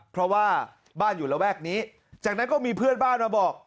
เพราะว่าบ้านอยู่ระแวกนี้จากนั้นก็มีเพื่อนบ้านมาบอก